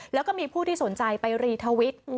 แล้วก็มีผู้ที่สนใจไปรีทวิต